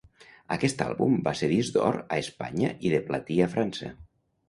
Aquest àlbum va ser disc d'or a Espanya i de platí a França.